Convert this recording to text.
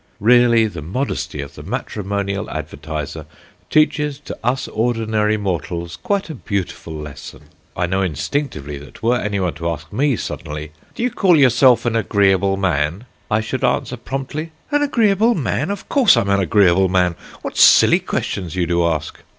Really the modesty of the matrimonial advertiser teaches to us ordinary mortals quite a beautiful lesson. I know instinctively that were anybody to ask me suddenly: "Do you call yourself an agreeable man?" I should answer promptly: "An agreeable man! Of course I'm an agreeable man. What silly questions you do ask!"